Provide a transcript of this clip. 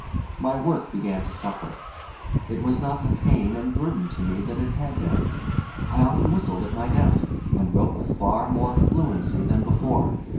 Mv work began to suffer. It was not the pain and burden to me that it had been. I often whistled at my desk, and wrote with far more fluency than before.